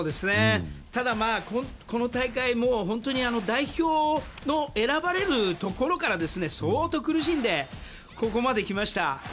ただ、この大会代表に選ばれるところから相当、苦しんでここまで来ました。